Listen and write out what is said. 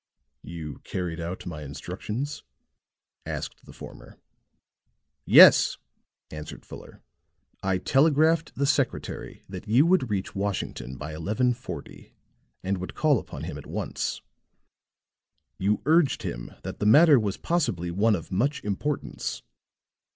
"You carried out my instructions?" asked the former. "Yes," answered Fuller. "I telegraphed the secretary that you would reach Washington by 11:40 and would call upon him at once." "You urged him that the matter was possibly one of much importance?"